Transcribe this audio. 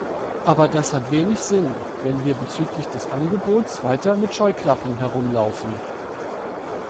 Aber das hat wenig Sinn, wenn wir bezüglich des Angebots weiter mit Scheuklappen herumlaufen.